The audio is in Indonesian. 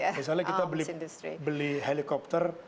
misalnya kita beli helikopter